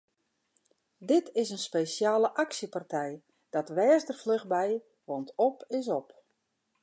Dit is in spesjale aksjepartij, dat wês der fluch by want op is op!